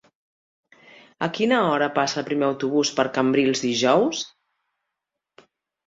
A quina hora passa el primer autobús per Cambrils dijous?